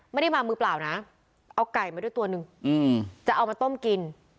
ไม่ได้มามือเปล่านะเอาไก่มาด้วยตัวหนึ่งจะเอามาต้มกิน